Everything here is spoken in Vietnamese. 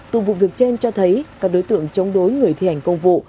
từ vụ việc trên cho thấy các đối tượng chống đối người thi hành công vụ